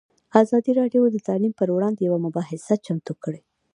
ازادي راډیو د تعلیم پر وړاندې یوه مباحثه چمتو کړې.